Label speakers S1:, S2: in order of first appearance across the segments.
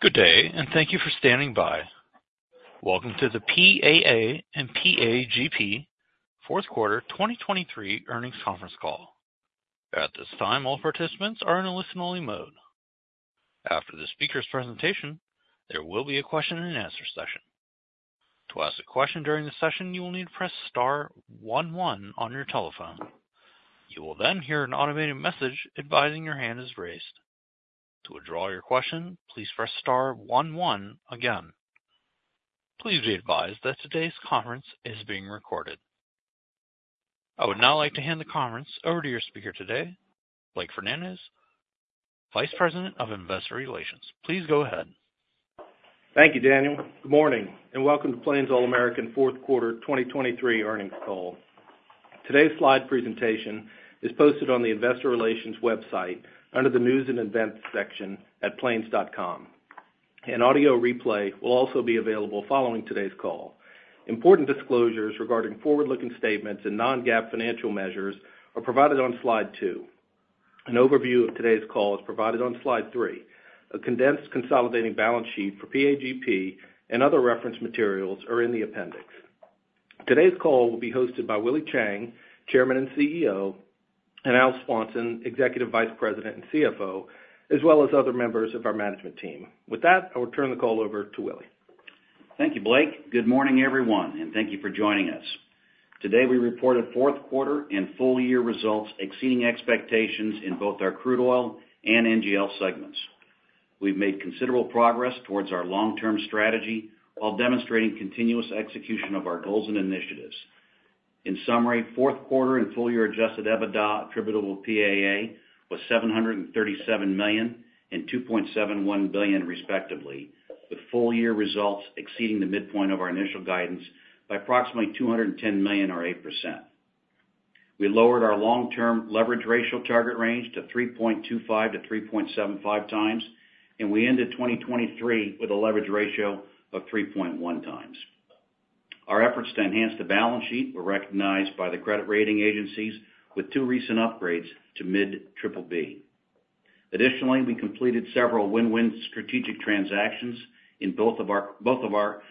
S1: Good day and thank you for standing by. Welcome to the PAA and PAGP fourth quarter 2023 earnings conference call. At this time, all participants are in a listen-only mode. After the speaker's presentation, there will be a question-and-answer session. To ask a question during the session, you will need to press star 11 on your telephone. You will then hear an automated message advising your hand is raised. To withdraw your question, please press star 11 again. Please be advised that today's conference is being recorded. I would now like to hand the conference over to your speaker today, Blake Fernandez, Vice President of Investor Relations. Please go ahead.
S2: Thank you, Daniel. Good morning and welcome to Plains All American fourth quarter 2023 earnings call. Today's slide presentation is posted on the Investor Relations website under the news and events section at plains.com. An audio replay will also be available following today's call. Important disclosures regarding forward-looking statements and non-GAAP financial measures are provided on slide two. An overview of today's call is provided on slide three. A condensed consolidating balance sheet for PAGP and other reference materials are in the appendix. Today's call will be hosted by Willie Chiang, Chairman and CEO, and Al Swanson, Executive Vice President and CFO, as well as other members of our management team. With that, I will turn the call over to Willie.
S3: Thank you, Blake. Good morning, everyone, and thank you for joining us. Today, we reported fourth quarter and full-year results exceeding expectations in both our crude oil and NGL segments. We've made considerable progress towards our long-term strategy while demonstrating continuous execution of our goals and initiatives. In summary, fourth quarter and full-year Adjusted EBITDA attributable to PAA was $737 million and $2.71 billion, respectively, with full-year results exceeding the midpoint of our initial guidance by approximately $210 million or 8%. We lowered our long-term leverage ratio target range to 3.25-3.75 times, and we ended 2023 with a leverage ratio of 3.1 times. Our efforts to enhance the balance sheet were recognized by the credit rating agencies with two recent upgrades to mid-BBB. Additionally, we completed several win-win strategic transactions in both of our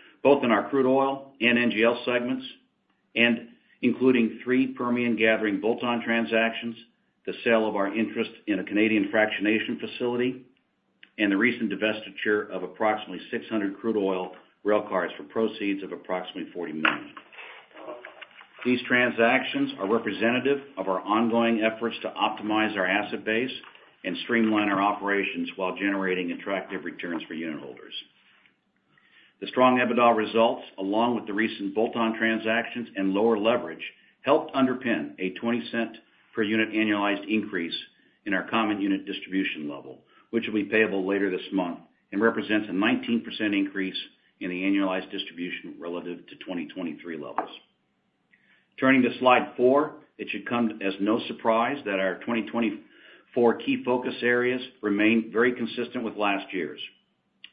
S3: crude oil and NGL segments, including three Permian gathering bolt-on transactions, the sale of our interest in a Canadian fractionation facility, and the recent divestiture of approximately 600 crude oil railcars for proceeds of approximately $40 million. These transactions are representative of our ongoing efforts to optimize our asset base and streamline our operations while generating attractive returns for unit holders. The strong EBITDA results, along with the recent bolt-on transactions and lower leverage, helped underpin a $0.20-per-unit annualized increase in our common unit distribution level, which will be payable later this month and represents a 19% increase in the annualized distribution relative to 2023 levels. Turning to slide 4, it should come as no surprise that our 2024 key focus areas remain very consistent with last year's.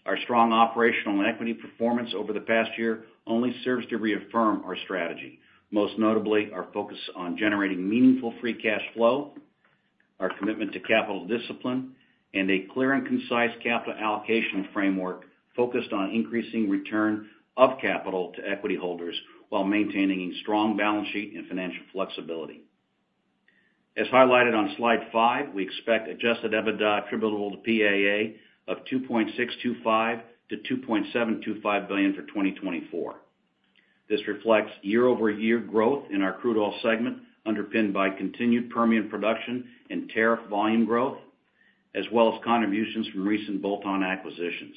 S3: Our strong operational and equity performance over the past year only serves to reaffirm our strategy, most notably our focus on generating meaningful free cash flow, our commitment to capital discipline, and a clear and concise capital allocation framework focused on increasing return of capital to equity holders while maintaining a strong balance sheet and financial flexibility. As highlighted on slide 5, we expect Adjusted EBITDA attributable to PAA of $2.625 billion-$2.725 billion for 2024. This reflects year-over-year growth in our crude oil segment underpinned by continued Permian production and tariff volume growth, as well as contributions from recent bolt-on acquisitions.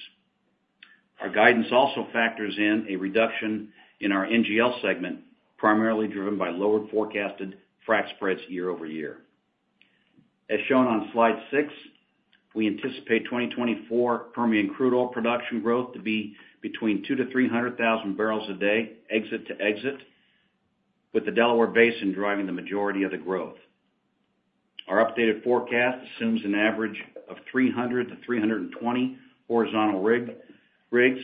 S3: Our guidance also factors in a reduction in our NGL segment, primarily driven by lowered forecasted frac spreads year-over-year. As shown on slide six, we anticipate 2024 Permian crude oil production growth to be between 200,000-300,000 barrels a day exit to exit, with the Delaware Basin driving the majority of the growth. Our updated forecast assumes an average of 300-320 horizontal rigs,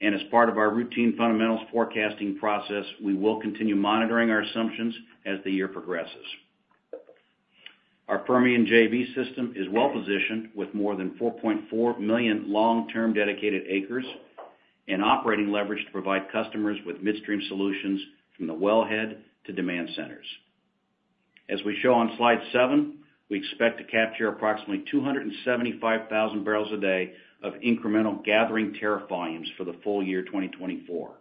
S3: and as part of our routine fundamentals forecasting process, we will continue monitoring our assumptions as the year progresses. Our Permian JV system is well-positioned with more than 4.4 million long-term dedicated acres and operating leverage to provide customers with midstream solutions from the wellhead to demand centers. As we show on slide seven, we expect to capture approximately 275,000 barrels a day of incremental gathering tariff volumes for the full year 2024.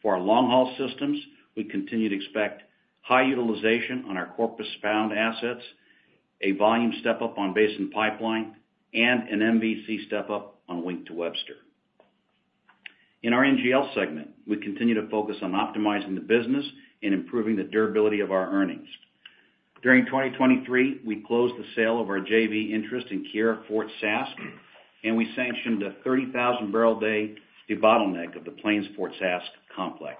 S3: For our long-haul systems, we continue to expect high utilization on our Corpus-bound assets, a volume step-up on Basin Pipeline, and an MVC step-up on Wink to Webster. In our NGL segment, we continue to focus on optimizing the business and improving the durability of our earnings. During 2023, we closed the sale of our JV interest in Keyera Fort Sask, and we sanctioned a 30,000-barrel-day debottleneck of the Plains Fort Sask complex.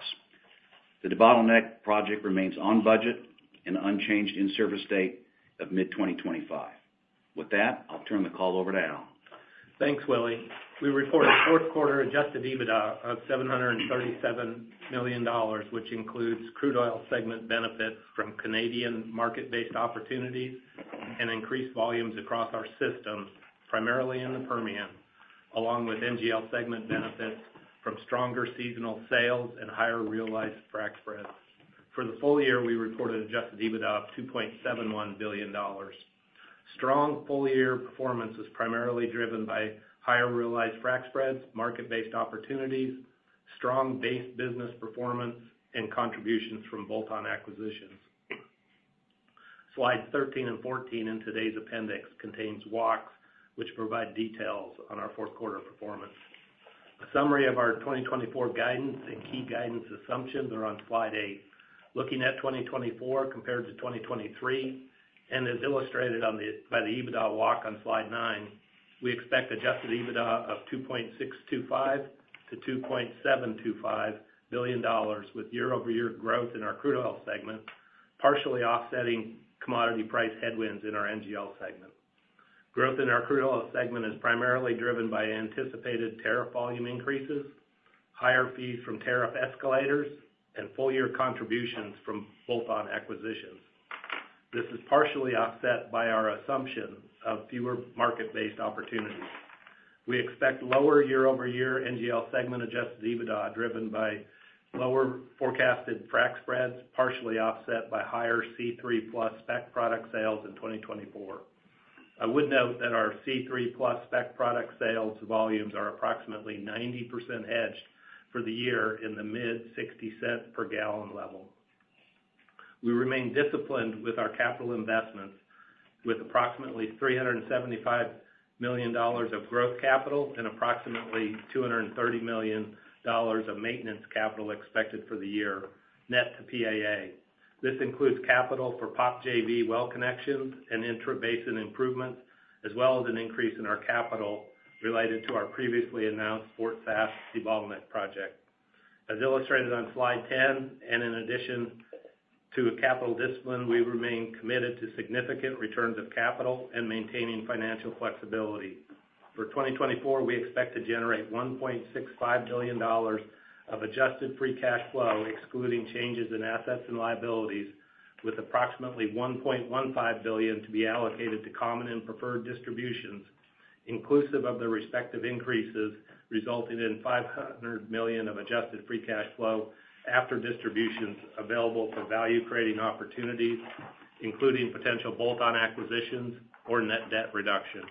S3: The debottleneck project remains on budget and unchanged in service date of mid-2025. With that, I'll turn the call over to Al.
S4: Thanks, Willie. We reported fourth quarter adjusted EBITDA of $737 million, which includes crude oil segment benefits from Canadian market-based opportunities and increased volumes across our system, primarily in the Permian, along with NGL segment benefits from stronger seasonal sales and higher realized frac spreads. For the full year, we reported adjusted EBITDA of $2.71 billion. Strong full-year performance was primarily driven by higher realized frac spreads, market-based opportunities, strong base business performance, and contributions from bolt-on acquisitions. Slides 13 and 14 in today's appendix contain WACCs, which provide details on our fourth quarter performance. A summary of our 2024 guidance and key guidance assumptions are on slide eight, looking at 2024 compared to 2023. As illustrated by the EBITDA WACC on slide nine, we expect adjusted EBITDA of $2.625 billion-$2.725 billion, with year-over-year growth in our crude oil segment partially offsetting commodity price headwinds in our NGL segment. Growth in our crude oil segment is primarily driven by anticipated tariff volume increases, higher fees from tariff escalators, and full-year contributions from bolt-on acquisitions. This is partially offset by our assumption of fewer market-based opportunities. We expect lower year-over-year NGL segment adjusted EBITDA driven by lower forecasted frac spreads, partially offset by higher C3+ spec product sales in 2024. I would note that our C3+ spec product sales volumes are approximately 90% hedged for the year in the mid-$0.60 per gallon level. We remain disciplined with our capital investments, with approximately $375 million of growth capital and approximately $230 million of maintenance capital expected for the year net to PAA. This includes capital for POP JV well connections and intra-basin improvements, as well as an increase in our capital related to our previously announced Fort Sask debottleneck project. As illustrated on slide 10, and in addition to capital discipline, we remain committed to significant returns of capital and maintaining financial flexibility. For 2024, we expect to generate $1.65 billion of adjusted free cash flow, excluding changes in assets and liabilities, with approximately $1.15 billion to be allocated to common and preferred distributions, inclusive of the respective increases resulting in $500 million of adjusted free cash flow after distributions available for value-creating opportunities, including potential bolt-on acquisitions or net debt reduction.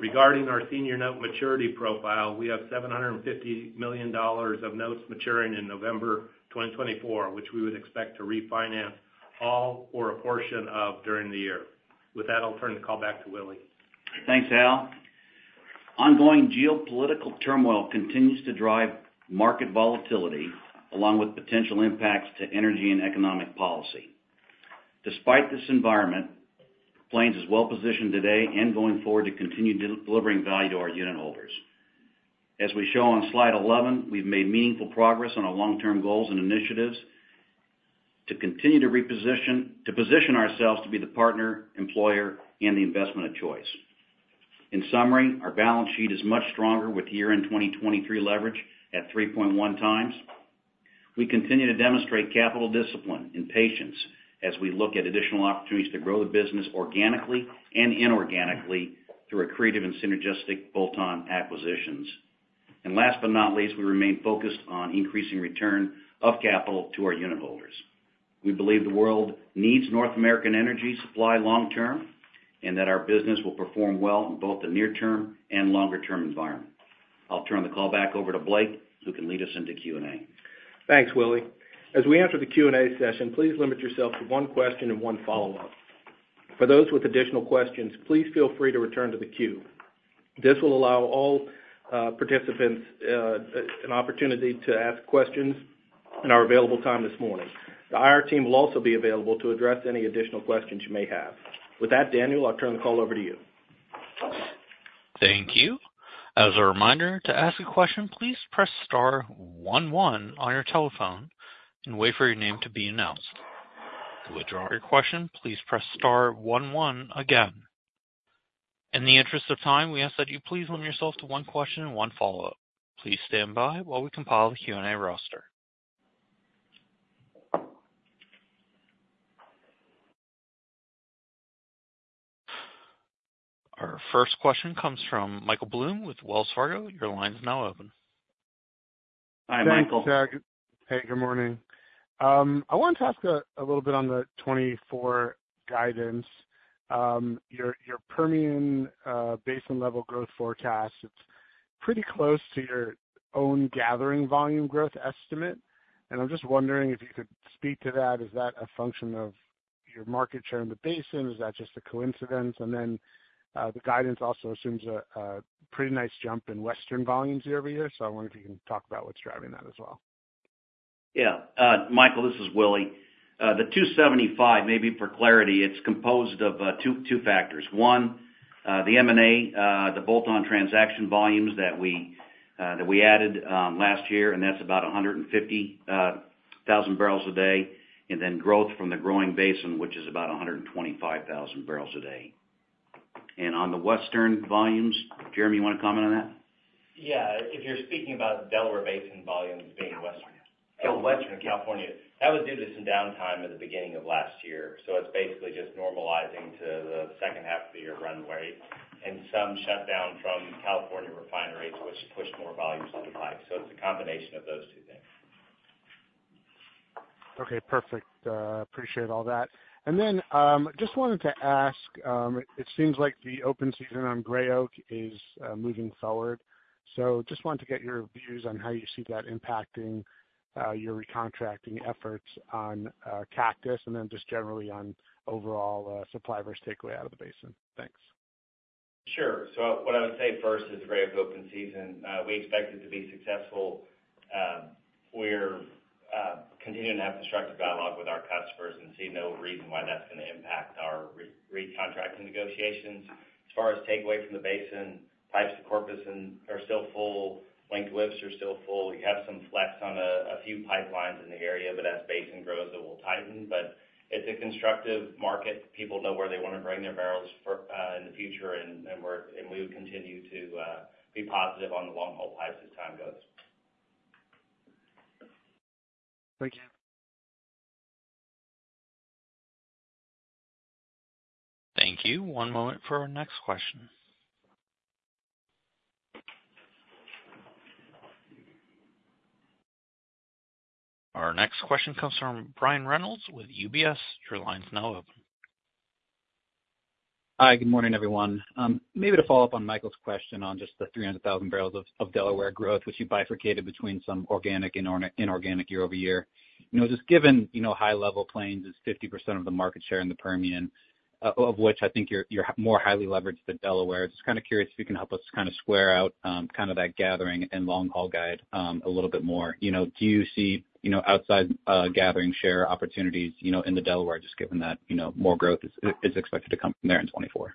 S4: Regarding our senior note maturity profile, we have $750 million of notes maturing in November 2024, which we would expect to refinance all or a portion of during the year. With that, I'll turn the call back to Willie.
S3: Thanks, Al. Ongoing geopolitical turmoil continues to drive market volatility, along with potential impacts to energy and economic policy. Despite this environment, Plains is well-positioned today and going forward to continue delivering value to our unit holders. As we show on slide 11, we've made meaningful progress on our long-term goals and initiatives to continue to reposition to position ourselves to be the partner, employer, and the investment of choice. In summary, our balance sheet is much stronger with year-end 2023 leverage at 3.1x. We continue to demonstrate capital discipline and patience as we look at additional opportunities to grow the business organically and inorganically through creative and synergistic bolt-on acquisitions. And last but not least, we remain focused on increasing return of capital to our unit holders. We believe the world needs North American energy supply long-term and that our business will perform well in both the near-term and longer-term environment. I'll turn the call back over to Blake, who can lead us into Q&A.
S2: Thanks, Willie. As we enter the Q&A session, please limit yourself to one question and one follow-up. For those with additional questions, please feel free to return to the queue. This will allow all participants an opportunity to ask questions in our available time this morning. The IR team will also be available to address any additional questions you may have. With that, Daniel, I'll turn the call over to you.
S1: Thank you. As a reminder, to ask a question, please press star 11 on your telephone and wait for your name to be announced. To withdraw your question, please press star 11 again. In the interest of time, we ask that you please limit yourself to one question and one follow-up. Please stand by while we compile the Q&A roster. Our first question comes from Michael Blum with Wells Fargo. Your line is now open.
S3: Hi, Michael.
S5: Hey, good morning. I wanted to ask a little bit on the 2024 guidance. Your Permian Basin level growth forecast, it's pretty close to your own gathering volume growth estimate. And I'm just wondering if you could speak to that. Is that a function of your market share in the basin, or is that just a coincidence? And then the guidance also assumes a pretty nice jump in Western volumes year-over-year, so I wonder if you can talk about what's driving that as well.
S3: Yeah. Michael, this is Willie. The 275,000, maybe for clarity, it's composed of two factors. One, the M&A, the bolt-on transaction volumes that we added last year, and that's about 150,000 barrels a day, and then growth from the growing basin, which is about 125,000 barrels a day. And on the Western volumes, Jeremy, you want to comment on that?
S6: Yeah. If you're speaking about Delaware Basin volumes being western California, that was due to some downtime at the beginning of last year. So it's basically just normalizing to the second half of the year runway and some shutdown from California refineries, which pushed more volumes to the pipe. So it's a combination of those two things.
S5: Okay. Perfect. Appreciate all that. And then just wanted to ask, it seems like the open season on Grey Oak is moving forward. So just wanted to get your views on how you see that impacting your recontracting efforts on Cactus and then just generally on overall supply versus takeaway out of the basin. Thanks.
S6: Sure. So what I would say first is Grey Oak open season. We expect it to be successful. We're continuing to have constructive dialogue with our customers and see no reason why that's going to impact our recontracting negotiations. As far as takeaway from the basin, pipes to Corpus are still full. Wink to Webster are still full. We have some flex on a few pipelines in the area, but as basin grows, it will tighten. But it's a constructive market. People know where they want to bring their barrels in the future, and we would continue to be positive on the long-haul pipes as time goes.
S5: Thank you.
S1: Thank you. One moment for our next question. Our next question comes from Brian Reynolds with UBS. Your line is now open.
S7: Hi. Good morning, everyone. Maybe to follow up on Michael's question on just the 300,000 barrels of Delaware growth, which you bifurcated between some organic and inorganic year-over-year. Just given high-level Plains is 50% of the market share in the Permian, of which I think you're more highly leveraged than Delaware, just kind of curious if you can help us kind of square out kind of that gathering and long-haul guide a little bit more. Do you see outside gathering share opportunities in the Delaware, just given that more growth is expected to come from there in 2024?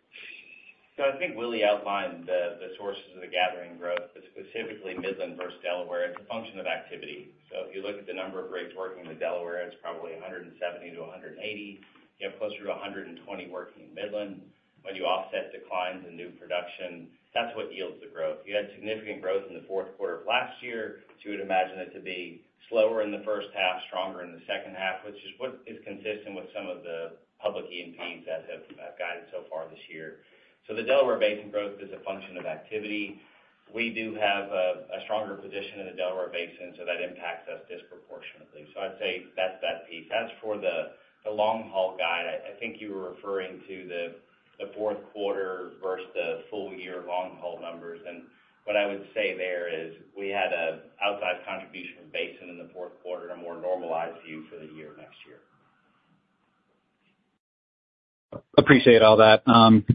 S4: So I think Willie outlined the sources of the gathering growth, but specifically Midland versus Delaware, it's a function of activity. So if you look at the number of rigs working in the Delaware, it's probably 170-180. You have closer to 120 working in Midland. When you offset declines in new production, that's what yields the growth. You had significant growth in the fourth quarter of last year, so you would imagine it to be slower in the first half, stronger in the second half, which is consistent with some of the public E&Ps that have guided so far this year. So the Delaware Basin growth is a function of activity. We do have a stronger position in the Delaware Basin, so that impacts us disproportionately. So I'd say that's that piece. As for the long-haul guide, I think you were referring to the fourth quarter versus the full-year long-haul numbers. What I would say there is we had an outsize contribution from Basin in the fourth quarter, a more normalized view for the year next year.
S7: Appreciate all that.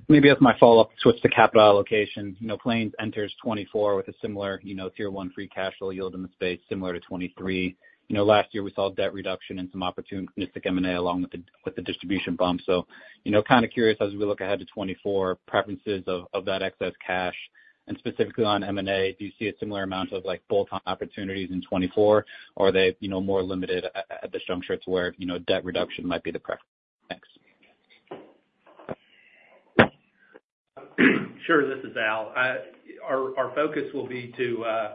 S7: Maybe as my follow-up, switch to capital allocation. Plains enters 2024 with a similar tier one free cash flow yield in the space, similar to 2023. Last year, we saw debt reduction and some opportunistic M&A along with the distribution bump. So kind of curious, as we look ahead to 2024, preferences of that excess cash, and specifically on M&A, do you see a similar amount of bolt-on opportunities in 2024, or are they more limited at this juncture to where debt reduction might be the preference? Thanks.
S4: Sure. This is Al. Our focus will be to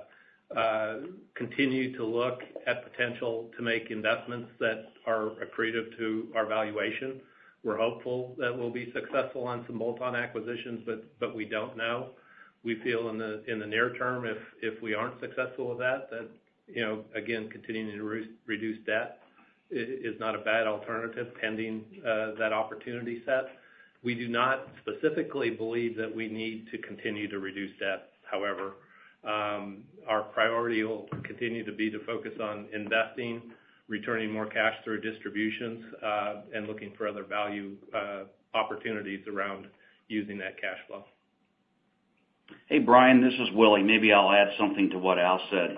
S4: continue to look at potential to make investments that are accretive to our valuation. We're hopeful that we'll be successful on some bolt-on acquisitions, but we don't know. We feel in the near term, if we aren't successful with that, that, again, continuing to reduce debt is not a bad alternative pending that opportunity set. We do not specifically believe that we need to continue to reduce debt. However, our priority will continue to be to focus on investing, returning more cash through distributions, and looking for other value opportunities around using that cash flow.
S3: Hey, Brian, this is Willie. Maybe I'll add something to what Al said.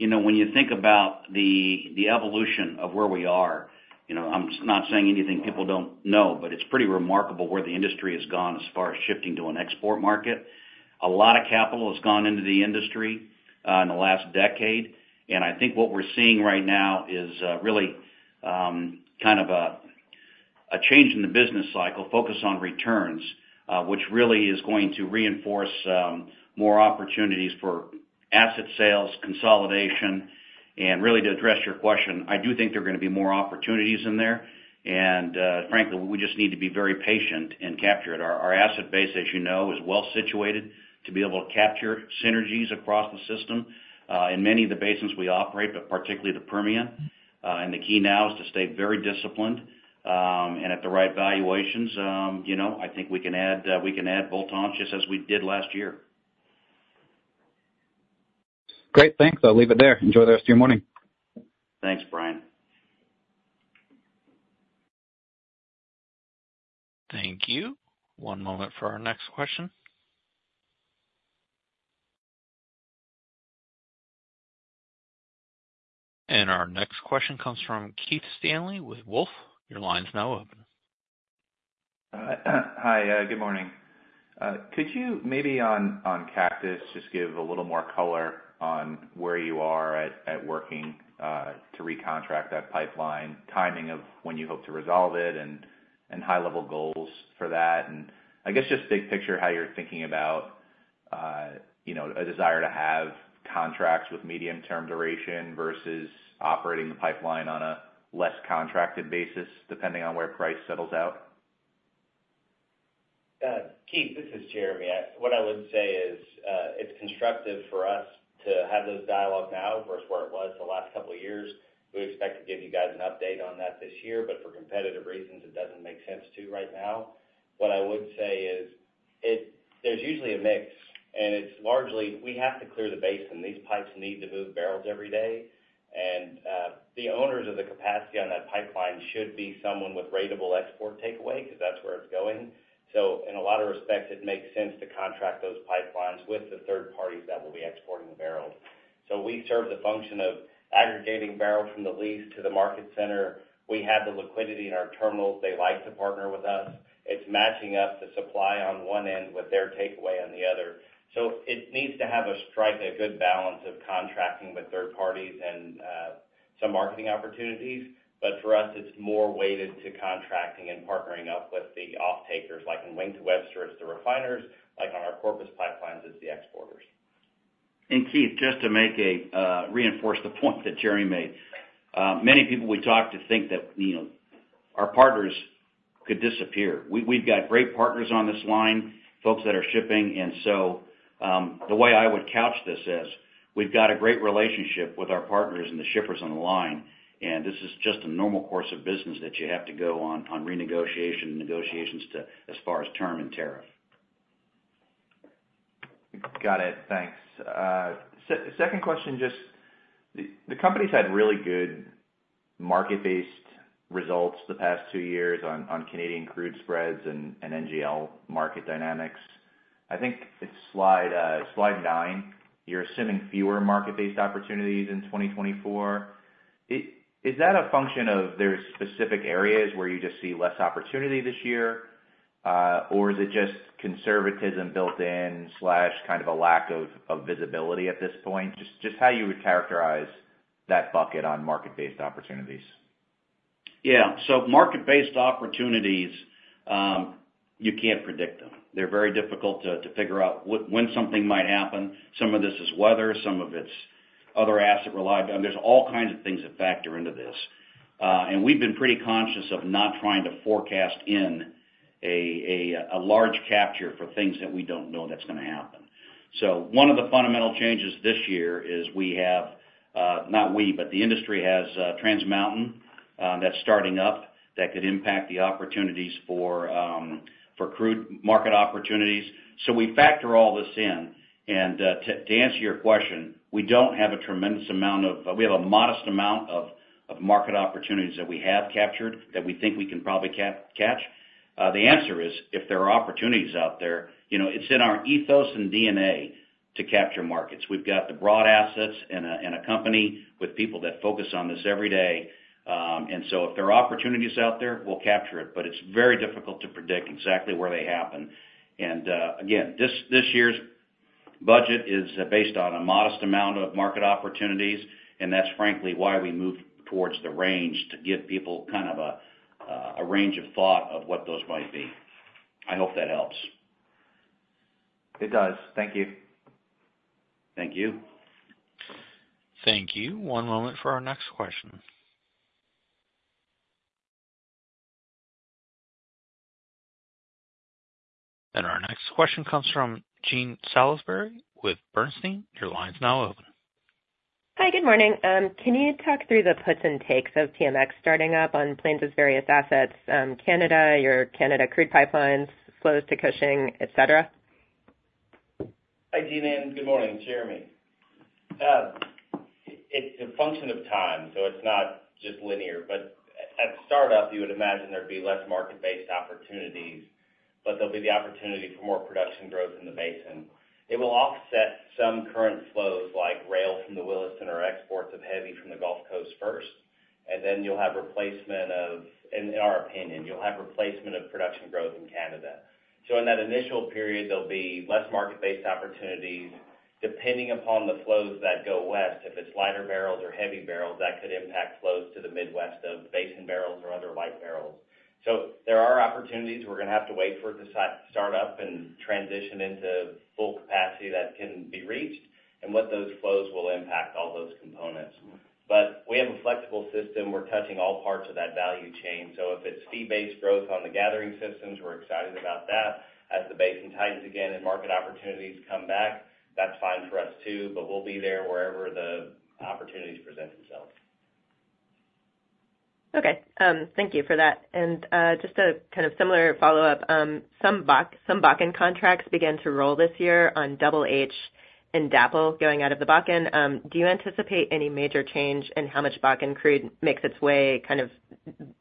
S3: When you think about the evolution of where we are, I'm not saying anything people don't know, but it's pretty remarkable where the industry has gone as far as shifting to an export market. A lot of capital has gone into the industry in the last decade. And I think what we're seeing right now is really kind of a change in the business cycle, focus on returns, which really is going to reinforce more opportunities for asset sales, consolidation, and really to address your question, I do think there are going to be more opportunities in there. And frankly, we just need to be very patient and capture it. Our asset base, as you know, is well-situated to be able to capture synergies across the system in many of the basins we operate, but particularly the Permian. The key now is to stay very disciplined and at the right valuations. I think we can add bolt-ons just as we did last year.
S7: Great. Thanks. I'll leave it there. Enjoy the rest of your morning.
S3: Thanks, Brian.
S1: Thank you. One moment for our next question. Our next question comes from Keith Stanley with Wolfe. Your line is now open.
S8: Hi. Good morning. Could you maybe on Cactus just give a little more color on where you are at working to recontract that pipeline, timing of when you hope to resolve it, and high-level goals for that? And I guess just big picture, how you're thinking about a desire to have contracts with medium-term duration versus operating the pipeline on a less contracted basis depending on where price settles out?
S6: Keith, this is Jeremy. What I would say is it's constructive for us to have those dialogues now versus where it was the last couple of years. We expect to give you guys an update on that this year, but for competitive reasons, it doesn't make sense to right now. What I would say is there's usually a mix, and it's largely we have to clear the basin. These pipes need to move barrels every day. The owners of the capacity on that pipeline should be someone with ratable export takeaway because that's where it's going. So in a lot of respects, it makes sense to contract those pipelines with the third parties that will be exporting the barrels. So we serve the function of aggregating barrels from the lease to the market center. We have the liquidity in our terminals. They like to partner with us. It's matching up the supply on one end with their takeaway on the other. So it needs to have a strike, a good balance of contracting with third parties and some marketing opportunities. But for us, it's more weighted to contracting and partnering up with the off-takers, like in Wink to Webster it's the refiners, like on our Corpus pipelines it's the exporters.
S3: Keith, just to reinforce the point that Jeremy made, many people we talk to think that our partners could disappear. We've got great partners on this line, folks that are shipping. And so the way I would couch this is we've got a great relationship with our partners and the shippers on the line, and this is just a normal course of business that you have to go on renegotiation and negotiations as far as term and tariff.
S8: Got it. Thanks. Second question, just the company's had really good market-based results the past two years on Canadian crude spreads and NGL market dynamics. I think it's slide 9. You're assuming fewer market-based opportunities in 2024. Is that a function of there's specific areas where you just see less opportunity this year, or is it just conservatism built-in, kind of a lack of visibility at this point? Just how you would characterize that bucket on market-based opportunities.
S3: Yeah. So market-based opportunities, you can't predict them. They're very difficult to figure out when something might happen. Some of this is weather. Some of it's other asset reliability. There's all kinds of things that factor into this. And we've been pretty conscious of not trying to forecast in a large capture for things that we don't know that's going to happen. So one of the fundamental changes this year is we have not, but the industry has Trans Mountain that's starting up that could impact the opportunities for crude market opportunities. So we factor all this in. And to answer your question, we don't have a tremendous amount; we have a modest amount of market opportunities that we have captured that we think we can probably catch. The answer is if there are opportunities out there, it's in our ethos and DNA to capture markets. We've got the broad assets and a company with people that focus on this every day. So if there are opportunities out there, we'll capture it. But it's very difficult to predict exactly where they happen. And again, this year's budget is based on a modest amount of market opportunities, and that's, frankly, why we moved toward the range to give people kind of a range of thought of what those might be. I hope that helps.
S8: It does. Thank you.
S3: Thank you.
S1: Thank you. One moment for our next question. Our next question comes from Jean Salisbury with Bernstein. Your line is now open.
S9: Hi. Good morning. Can you talk through the puts and takes of TMX starting up on Plains' various assets, Canada, your Canada crude pipelines, flows to Cushing, etc.?
S6: Hi, Jean, and good morning, Jeremy. It's a function of time, so it's not just linear. But at startup, you would imagine there'd be less market-based opportunities, but there'll be the opportunity for more production growth in the basin. It will offset some current flows like rail from the Williston or exports of heavy from the Gulf Coast first, and then you'll have replacement of, in our opinion, you'll have replacement of production growth in Canada. So in that initial period, there'll be less market-based opportunities. Depending upon the flows that go west, if it's lighter barrels or heavy barrels, that could impact flows to the Midwest of basin barrels or other light barrels. So there are opportunities. We're going to have to wait for it to start up and transition into full capacity that can be reached and what those flows will impact all those components. But we have a flexible system. We're touching all parts of that value chain. So if it's fee-based growth on the gathering systems, we're excited about that. As the basin tightens again and market opportunities come back, that's fine for us too, but we'll be there wherever the opportunities present themselves.
S9: Okay. Thank you for that. And just a kind of similar follow-up, some Bakken contracts began to roll this year on Double H and DAPL going out of the Bakken. Do you anticipate any major change in how much Bakken crude makes its way kind of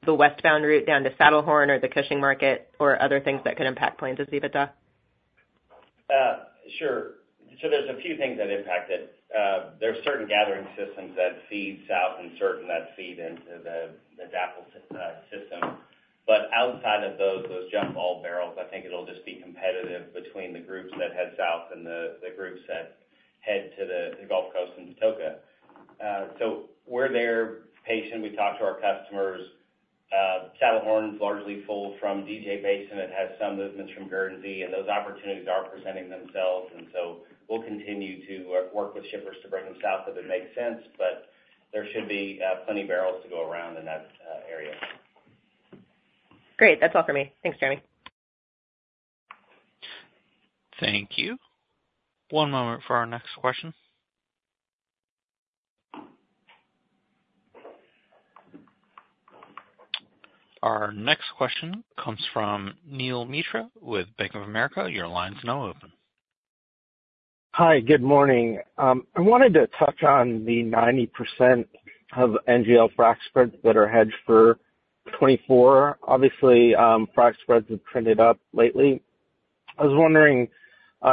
S9: the westbound route down to Saddlehorn or the Cushing market or other things that could impact Plains' EBITDA?
S6: Sure. So there's a few things that impact it. There's certain gathering systems that feed south and certain that feed into the DAPL system. But outside of those, those jump ball barrels, I think it'll just be competitive between the groups that head south and the groups that head to the Gulf Coast and Patoka. So we're very patient. We talk to our customers. Saddlehorn's largely full from DJ Basin. It has some movements from Guernsey, and those opportunities are presenting themselves. And so we'll continue to work with shippers to bring them south if it makes sense, but there should be plenty of barrels to go around in that area.
S9: Great. That's all for me. Thanks, Jeremy.
S1: Thank you. One moment for our next question. Our next question comes from Neel Mitra with Bank of America. Your line is now open.
S10: Hi. Good morning. I wanted to touch on the 90% of NGL frac spreads that are hedged for 2024. Obviously, frac spreads have trended up lately. I was wondering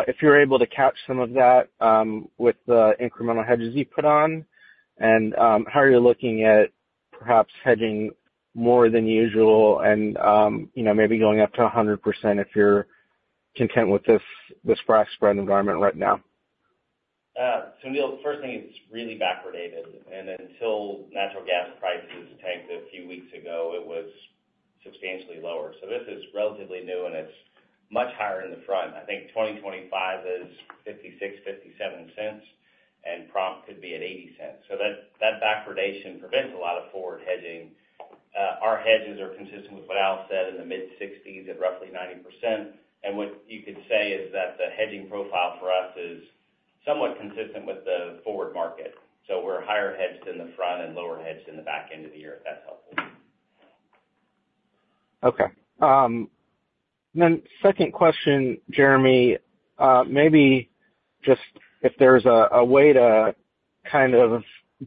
S10: if you're able to catch some of that with the incremental hedges you put on and how you're looking at perhaps hedging more than usual and maybe going up to 100% if you're content with this frac spread environment right now.
S6: So Neil, the first thing is it's really backwardated. And until natural gas prices tanked a few weeks ago, it was substantially lower. So this is relatively new, and it's much higher in the front. I think 2025 is $0.56-$0.57, and prompt could be at $0.80. So that backwardation prevents a lot of forward hedging. Our hedges are consistent with what Al said in the mid-60s at roughly 90%. And what you could say is that the hedging profile for us is somewhat consistent with the forward market. So we're higher hedged in the front and lower hedged in the back end of the year, if that's helpful.
S10: Okay. Second question, Jeremy, maybe just if there's a way to kind of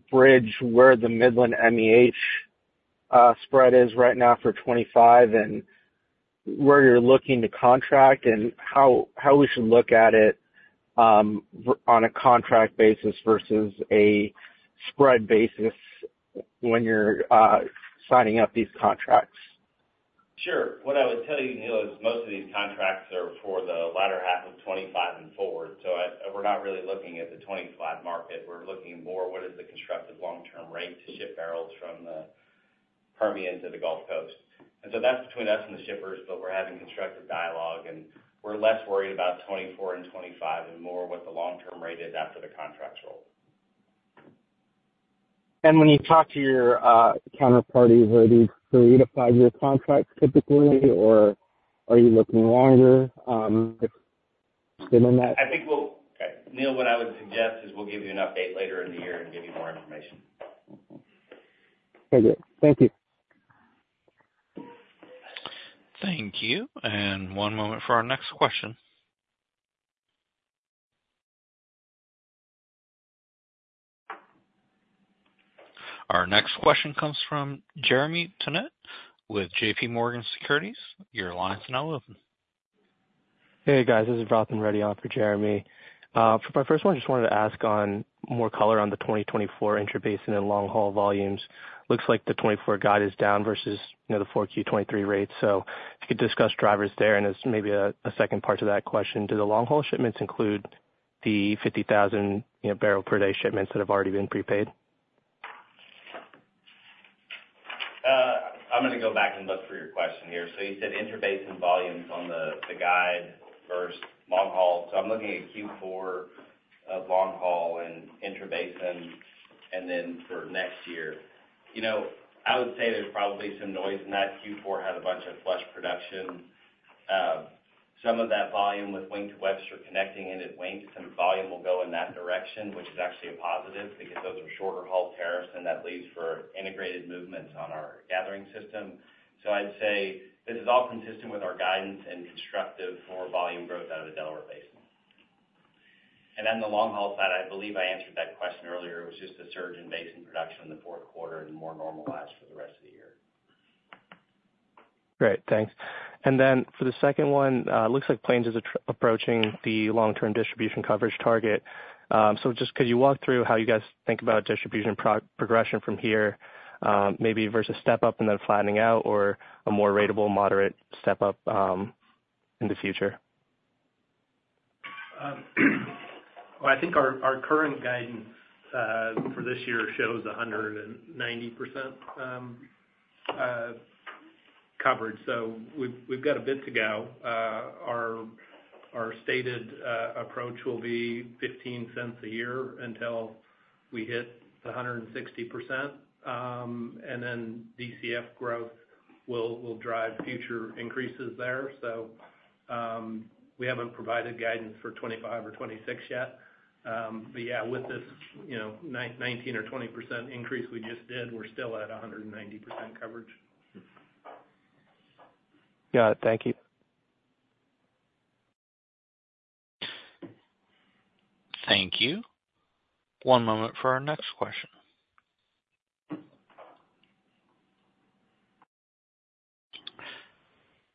S10: bridge where the Midland MEH spread is right now for 2025 and where you're looking to contract and how we should look at it on a contract basis versus a spread basis when you're signing up these contracts?
S6: Sure. What I would tell you, Neel, is most of these contracts are for the latter half of 2025 and forward. So we're not really looking at the 2025 market. We're looking more at what is the constructive long-term rate to ship barrels from the Permian to the Gulf Coast. And so that's between us and the shippers, but we're having constructive dialogue, and we're less worried about 2024 and 2025 and more what the long-term rate is after the contracts roll.
S10: When you talk to your counterparty, are these 3-year-5-year contracts typically, or are you looking longer? If you've been in that.
S6: I think we'll, Neel, what I would suggest is we'll give you an update later in the year and give you more information.
S10: Okay. Great. Thank you.
S1: Thank you. One moment for our next question. Our next question comes from Jeremy Tonet with JPMorgan Securities. Your line is now open.
S11: Hey, guys. This is Vrathan Reddy on for Jeremy. For my first one, I just wanted to ask more color on the 2024 intra-basin and long-haul volumes. Looks like the 2024 guide is down versus the 4Q23 rate. So if you could discuss drivers there. And as maybe a second part to that question, do the long-haul shipments include the 50,000-barrel-per-day shipments that have already been prepaid?
S6: I'm going to go back and look for your question here. So you said intra-basin volumes on the guide versus long-haul. So I'm looking at Q4 of long-haul and intra-basin and then for next year. I would say there's probably some noise in that. Q4 had a bunch of flush production. Some of that volume with Wink to Webster connecting in at Wink, some volume will go in that direction, which is actually a positive because those are shorter-haul tariffs, and that leads for integrated movements on our gathering system. So I'd say this is all consistent with our guidance and constructive for volume growth out of the Delaware Basin. And on the long-haul side, I believe I answered that question earlier. It was just a surge in basin production in the fourth quarter and more normalized for the rest of the year.
S11: Great. Thanks. And then for the second one, it looks like Plains is approaching the long-term distribution coverage target. So just could you walk through how you guys think about distribution progression from here, maybe versus step up and then flattening out or a more ratable, moderate step up in the future?
S2: Well, I think our current guidance for this year shows 190% coverage. So we've got a bit to go. Our stated approach will be $0.15 a year until we hit 160%. And then DCF growth will drive future increases there. So we haven't provided guidance for 2025 or 2026 yet. But yeah, with this 19%-20% increase we just did, we're still at 190% coverage.
S11: Got it. Thank you.
S1: Thank you. One moment for our next question.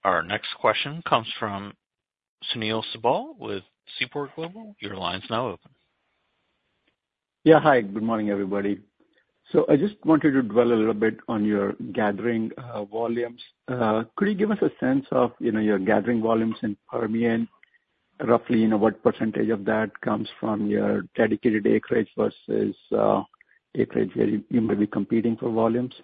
S1: Our next question comes from Sunil Sibal with Seaport Global. Your line is now open.
S12: Yeah. Hi. Good morning, everybody. So I just wanted to dwell a little bit on your gathering volumes. Could you give us a sense of your gathering volumes in Permian, roughly what percentage of that comes from your dedicated acreage versus acreage where you may be competing for volumes?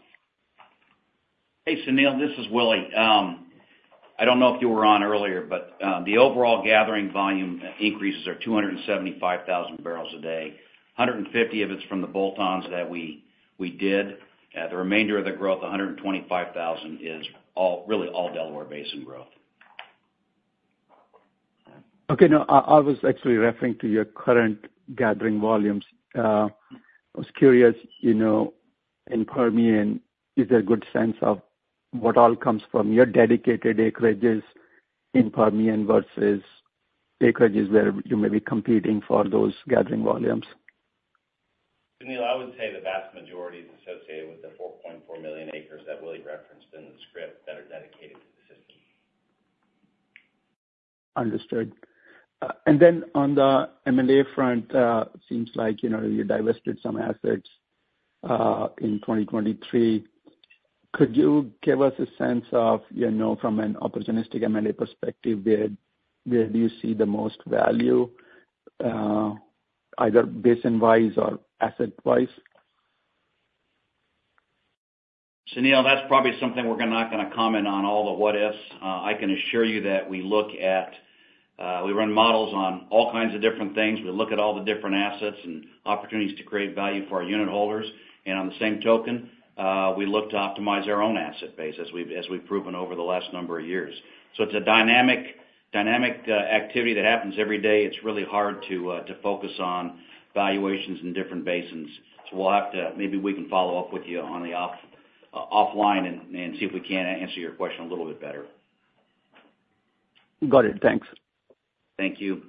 S3: Hey, Sunil. This is Willie. I don't know if you were on earlier, but the overall gathering volume increases are 275,000 barrels a day. 150,000 of it's from the bolt-ons that we did. The remainder of the growth, 125,000, is really all Delaware Basin growth.
S12: Okay. No, I was actually referring to your current gathering volumes. I was curious, in Permian, is there a good sense of what all comes from your dedicated acreages in Permian versus acreages where you may be competing for those gathering volumes?
S6: Sunil, I would say the vast majority is associated with the 4.4 million acres that Willie referenced in the script that are dedicated to the system.
S12: Understood. And then on the M&A front, it seems like you divested some assets in 2023. Could you give us a sense of, from an opportunistic M&A perspective, where do you see the most value, either basin-wise or asset-wise?
S3: Sunil, that's probably something we're not going to comment on, all the what-ifs. I can assure you that we look at, we run models on all kinds of different things. We look at all the different assets and opportunities to create value for our unit holders. And on the same token, we look to optimize our own asset base as we've proven over the last number of years. So it's a dynamic activity that happens every day. It's really hard to focus on valuations in different basins. So we'll have to maybe we can follow up with you offline and see if we can answer your question a little bit better.
S12: Got it. Thanks.
S3: Thank you.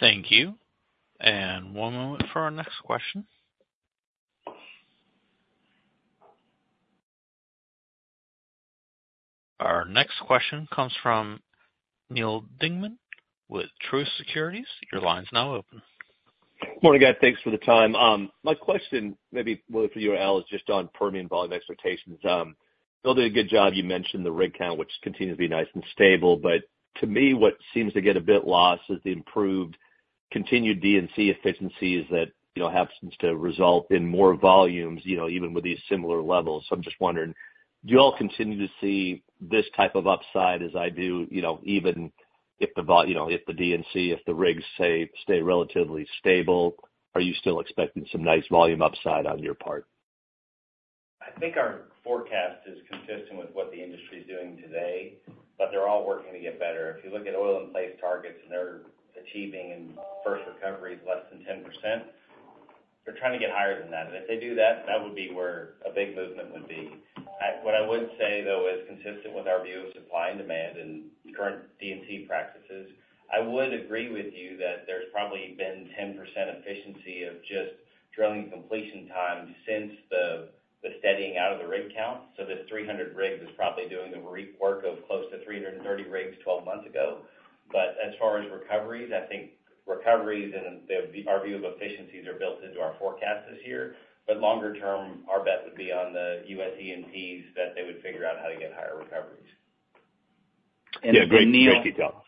S1: Thank you. One moment for our next question. Our next question comes from Neil Dingman with Truist Securities. Your line is now open.
S13: Morning, guys. Thanks for the time. My question, maybe Willie for you or Al, is just on Permian volume expectations. Bill did a good job. You mentioned the rig count, which continues to be nice and stable. But to me, what seems to get a bit lost is the improved continued D&C efficiencies that happens to result in more volumes even with these similar levels. So I'm just wondering, do you all continue to see this type of upside as I do, even if the D&C, if the rigs, say, stay relatively stable? Are you still expecting some nice volume upside on your part?
S6: I think our forecast is consistent with what the industry is doing today, but they're all working to get better. If you look at oil-in-place targets and they're achieving in first recoveries less than 10%, they're trying to get higher than that. And if they do that, that would be where a big movement would be. What I would say, though, is consistent with our view of supply and demand and current D&C practices. I would agree with you that there's probably been 10% efficiency of just drilling completion time since the steadying out of the rig count. So this 300 rigs is probably doing the work of close to 330 rigs 12 months ago. But as far as recoveries, I think recoveries and our view of efficiencies are built into our forecast this year. Longer term, our bet would be on the U.S. E&Ps that they would figure out how to get higher recoveries.
S13: Yeah. Great detail.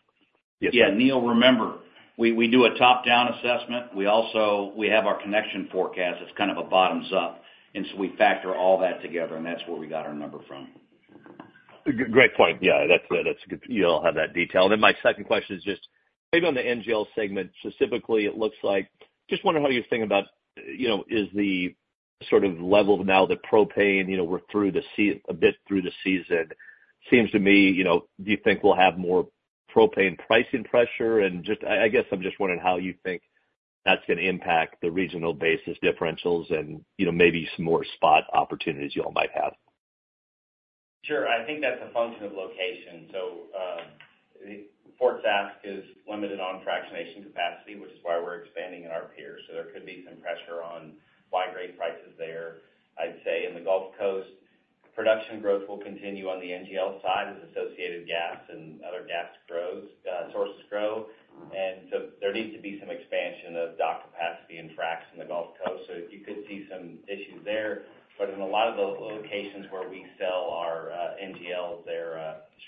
S3: Yeah. Neal, remember, we do a top-down assessment. We have our connection forecast. It's kind of a bottoms-up. And so we factor all that together, and that's where we got our number from. Great point. Yeah. That's good. You all have that detail. And then my second question is just maybe on the NGL segment specifically. It looks like just wondering how you're thinking about is the sort of level now that propane we're through the a bit through the season seems to me do you think we'll have more propane pricing pressure? And I guess I'm just wondering how you think that's going to impact the regional basis differentials and maybe some more spot opportunities you all might have.
S6: Sure. I think that's a function of location. So Fort Sask is limited on fractionation capacity, which is why we're expanding there. So there could be some pressure on propane price there, I'd say. In the Gulf Coast, production growth will continue on the NGL side as associated gas and other gas sources grow. And so there needs to be some expansion of dock capacity and frac in the Gulf Coast. So you could see some issues there. But in a lot of the locations where we sell our NGLs,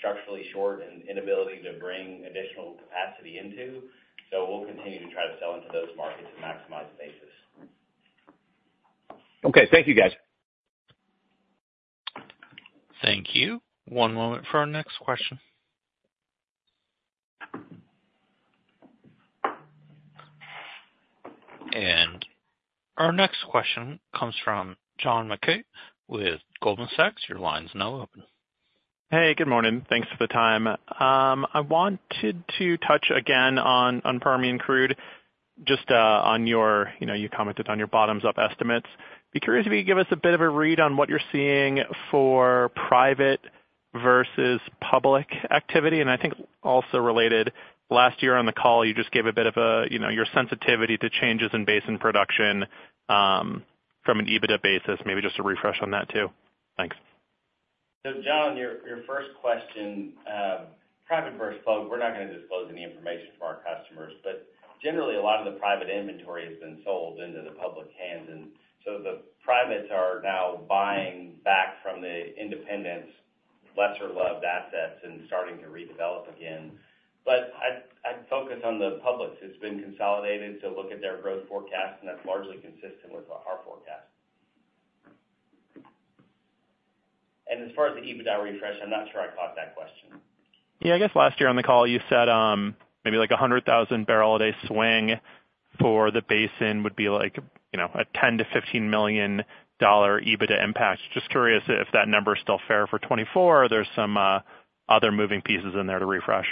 S6: they're structurally short and inability to bring additional capacity into. So we'll continue to try to sell into those markets and maximize basis.
S13: Okay. Thank you, guys.
S1: Thank you. One moment for our next question. Our next question comes from John Mackay with Goldman Sachs. Your line is now open.
S14: Hey. Good morning. Thanks for the time. I wanted to touch again on Permian crude, just on your, you commented on your bottoms-up estimates. Be curious if you could give us a bit of a read on what you're seeing for private versus public activity. And I think also related, last year on the call, you just gave a bit of your sensitivity to changes in basin production from an EBITDA basis. Maybe just a refresh on that too. Thanks.
S6: So, John, your first question, private versus public, we're not going to disclose any information from our customers. But generally, a lot of the private inventory has been sold into the public hands. And so the privates are now buying back from the independents lesser-loved assets and starting to redevelop again. But I'd focus on the publics. It's been consolidated to look at their growth forecast, and that's largely consistent with our forecast. And as far as the EBITDA refresh, I'm not sure I caught that question.
S14: Yeah. I guess last year on the call, you said maybe like 100,000-barrel-a-day swing for the basin would be like a $10 million-$15 million EBITDA impact. Just curious if that number is still fair for 2024 or there's some other moving pieces in there to refresh?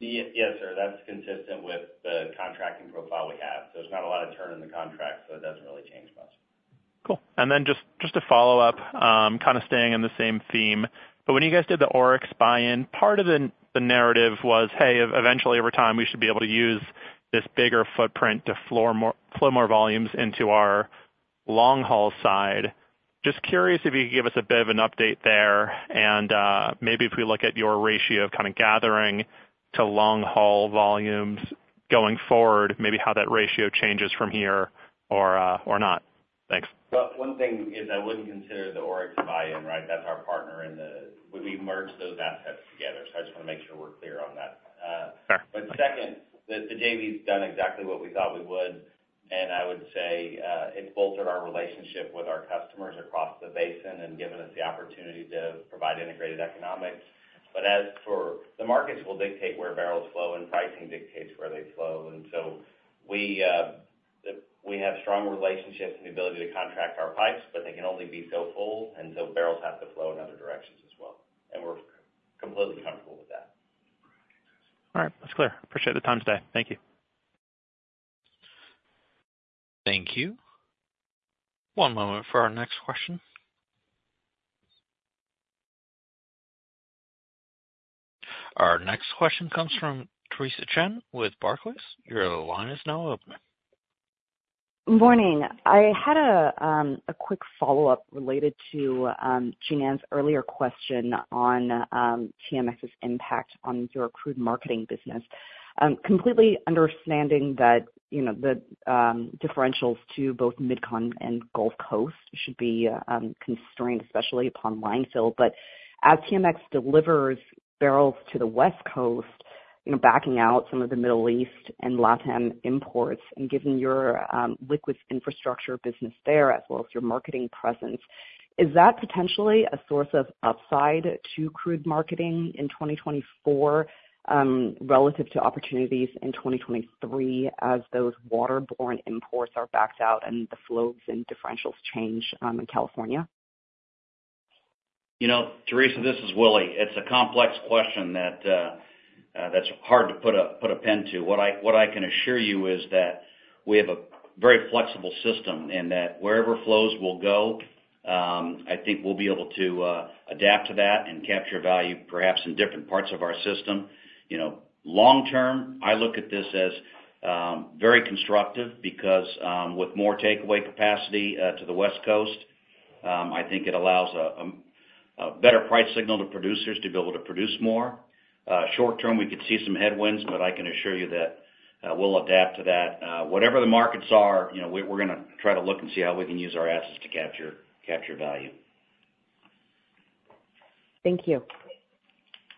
S6: Yes, sir. That's consistent with the contracting profile we have. There's not a lot of turn in the contract, so it doesn't really change much.
S14: Cool. And then just to follow up, kind of staying in the same theme, but when you guys did the Oryx buy-in, part of the narrative was, "Hey, eventually, over time, we should be able to use this bigger footprint to flow more volumes into our long-haul side." Just curious if you could give us a bit of an update there. And maybe if we look at your ratio of kind of gathering to long-haul volumes going forward, maybe how that ratio changes from here or not. Thanks.
S6: Well, one thing is I wouldn't consider the Oryx buy-in, right? That's our partner in the JV we merged those assets together. So I just want to make sure we're clear on that. But second, the JV's done exactly what we thought we would. And I would say it's bolstered our relationship with our customers across the basin and given us the opportunity to provide integrated economics. But as for the markets will dictate where barrels flow, and pricing dictates where they flow. And so we have strong relationships and the ability to contract our pipes, but they can only be so full. And so barrels have to flow in other directions as well. And we're completely comfortable with that.
S14: All right. That's clear. Appreciate the time today. Thank you.
S1: Thank you. One moment for our next question. Our next question comes from Teresa Chen with Barclays. Your line is now open.
S15: Morning. I had a quick follow-up related to Jean's earlier question on TMX's impact on your crude marketing business. Completely understanding that the differentials to both MidCon and Gulf Coast should be constrained, especially upon line fill. But as TMX delivers barrels to the West Coast, backing out some of the Middle East and Latin imports and given your liquids infrastructure business there as well as your marketing presence, is that potentially a source of upside to crude marketing in 2024 relative to opportunities in 2023 as those waterborne imports are backed out and the flows and differentials change in California?
S3: Theresa, this is Willie. It's a complex question that's hard to put a pen to. What I can assure you is that we have a very flexible system in that wherever flows will go, I think we'll be able to adapt to that and capture value, perhaps in different parts of our system. Long term, I look at this as very constructive because with more takeaway capacity to the West Coast, I think it allows a better price signal to producers to be able to produce more. Short term, we could see some headwinds, but I can assure you that we'll adapt to that. Whatever the markets are, we're going to try to look and see how we can use our assets to capture value.
S15: Thank you.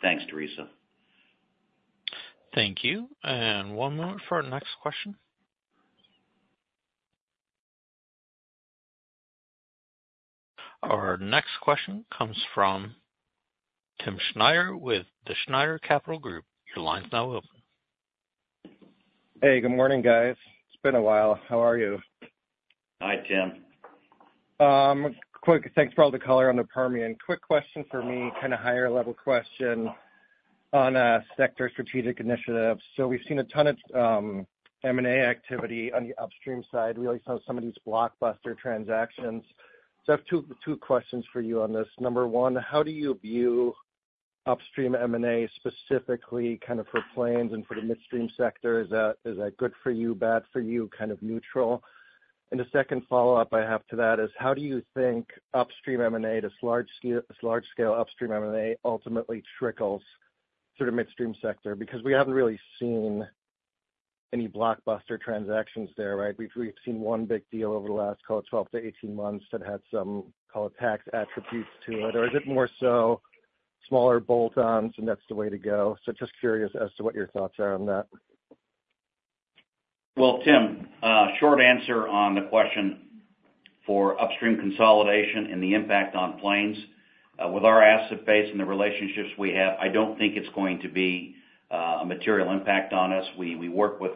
S3: Thanks, Theresa.
S1: Thank you. One moment for our next question. Our next question comes from Timm Schneider with the Schneider Capital Group. Your line is now open.
S16: Hey. Good morning, guys. It's been a while. How are you?
S3: Hi, Tim.
S16: Quick thanks for all the color on the Permian. Quick question for me, kind of higher-level question on sector strategic initiatives. So we've seen a ton of M&A activity on the upstream side. We also have some of these blockbuster transactions. So I have two questions for you on this. Number one, how do you view upstream M&A specifically, kind of for Plains and for the midstream sector? Is that good for you, bad for you, kind of neutral? And the second follow-up I have to that is, how do you think upstream M&A, this large-scale upstream M&A, ultimately trickles through the midstream sector? Because we haven't really seen any blockbuster transactions there, right? We've seen one big deal over the last, call it, 12-18 months that had some, call it, tax attributes to it. Or is it more so smaller bolt-ons, and that's the way to go? So just curious as to what your thoughts are on that.
S3: Well, Tim, short answer on the question for upstream consolidation and the impact on Plains. With our asset base and the relationships we have, I don't think it's going to be a material impact on us. We work with,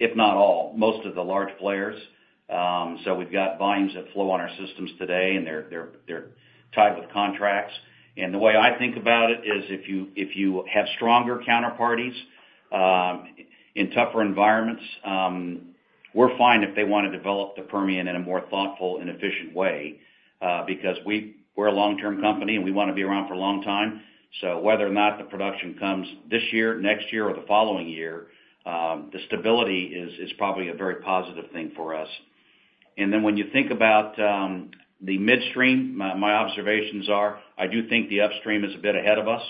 S3: if not all, most of the large players. So we've got volumes that flow on our systems today, and they're tied with contracts. And the way I think about it is if you have stronger counterparties in tougher environments, we're fine if they want to develop the Permian in a more thoughtful and efficient way because we're a long-term company, and we want to be around for a long time. So whether or not the production comes this year, next year, or the following year, the stability is probably a very positive thing for us. And then when you think about the midstream, my observations are, I do think the upstream is a bit ahead of us.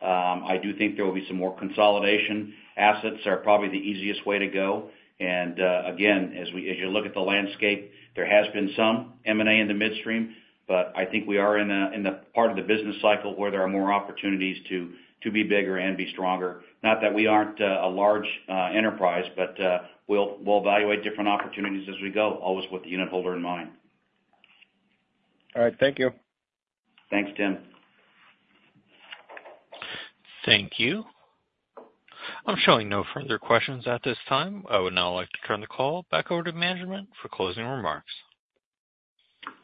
S3: I do think there will be some more consolidation. Assets are probably the easiest way to go. And again, as you look at the landscape, there has been some M&A in the midstream. But I think we are in the part of the business cycle where there are more opportunities to be bigger and be stronger. Not that we aren't a large enterprise, but we'll evaluate different opportunities as we go, always with the unit holder in mind.
S16: All right. Thank you.
S3: Thanks, Tim.
S1: Thank you. I'm showing no further questions at this time. I would now like to turn the call back over to management for closing remarks.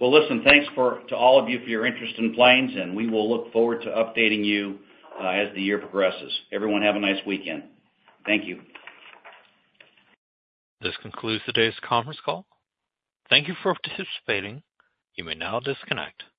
S3: Well, listen, thanks to all of you for your interest in Plains, and we will look forward to updating you as the year progresses. Everyone, have a nice weekend. Thank you.
S1: This concludes today's conference call. Thank you for participating. You may now disconnect.